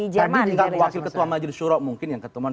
jadi kita wakil ketua majelis suro mungkin yang ketemuan